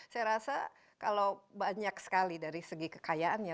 saya rasa kalau banyak sekali dari segi kekayaannya